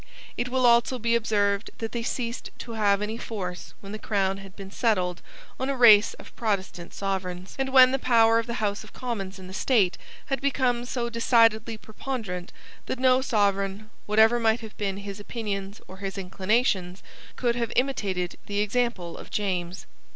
It will also be observed that they ceased to have any force when the crown had been settled on a race of Protestant sovereigns, and when the power of the House of Commons in the state had become so decidedly preponderant that no sovereign, whatever might have been his opinions or his inclinations, could have imitated the example of James.